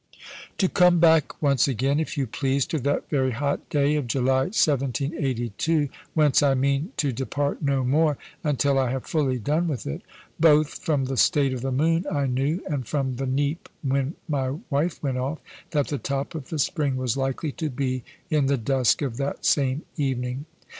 To come back once again, if you please, to that very hot day of July 1782 whence I mean to depart no more until I have fully done with it both from the state of the moon, I knew, and from the neap when my wife went off, that the top of the spring was likely to be in the dusk of that same evening.